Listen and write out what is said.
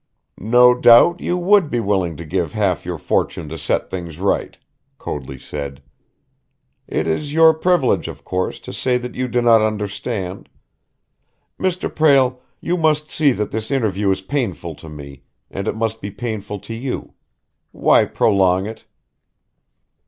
"No doubt you would be willing to give half your fortune to set things right!" Coadley said. "It is your privilege, of course, to say that you do not understand. Mr. Prale, you must see that this interview is painful to me, and it must be painful to you. Why prolong it?"